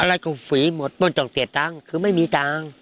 อะไรก็ฝีหมดต้นต้องเสียตังค์คือไม่มีตังค์